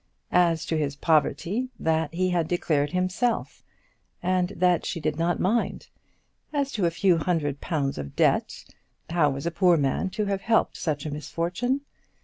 As to his poverty, that he had declared himself, and that she did not mind. As to a few hundred pounds of debt, how was a poor man to have helped such a misfortune?